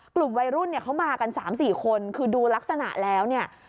กลุ่มวัยรุ่นเนี่ยเขามากัน๓๔คนคือดูลักษณะแล้วเนี่ย